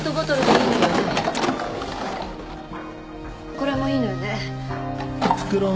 これもいいのよね。